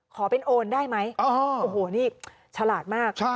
ขอเป็นโอนได้ไหมโอ้โหนี่ฉลาดมาก